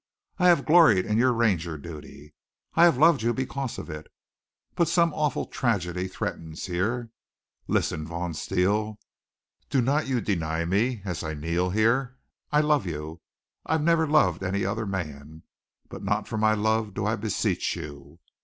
I have gloried in your Ranger duty. I have loved you because of it. But some awful tragedy threatens here. Listen, Vaughn Steele. Do not you deny me, as I kneel here. I love you. I never loved any other man. But not for my love do I beseech you.